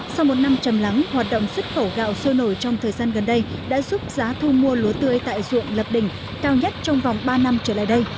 sau một năm chầm lắng hoạt động xuất khẩu gạo sôi nổi trong thời gian gần đây đã giúp giá thu mua lúa tươi tại ruộng lập đỉnh cao nhất trong vòng ba năm trở lại đây